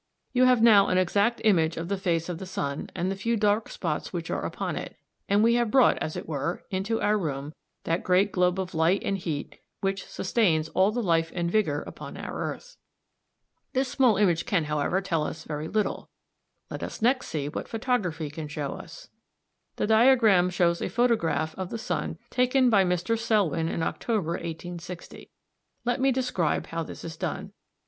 You have now an exact image of the face of the sun and the few dark spots which are upon it, and we have brought, as it were, into our room that great globe of light and heat which sustains all the life and vigour upon our earth. This small image can, however, tell us very little. Let us next see what photography can show us. The diagram (Fig. 46) shows a photograph of the sun taken by Mr. Selwyn in October 1860. Let me describe how this is done.